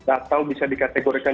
atau bisa dikategorikan